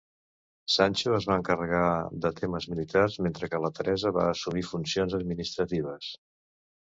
Sancho es va encarregar de temes militars, mentre que la Teresa va assumir funcions administratives.